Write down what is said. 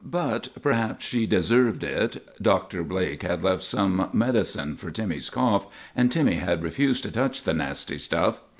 But perhaps she deserved it. Dr. Blake had left some medicine for Timmy's cough, and Timmy had refused to touch the nasty stuff.